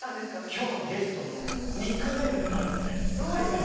今日のゲストのニックネームでもあるんだよね。